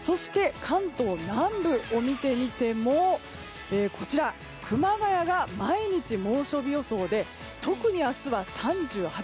そして関東南部を見てみても熊谷が毎日猛暑日予想で特に明日は３８度。